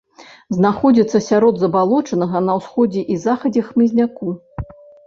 Знаходзіцца сярод забалочанага на ўсходзе і захадзе хмызняку.